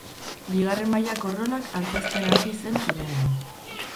Bigarren mailako rolak antzezten hasi zen zineman.